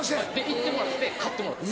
行ってもらって買ってもらった。